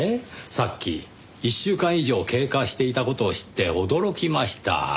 さっき１週間以上経過していた事を知って驚きました。